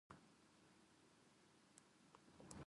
声が高い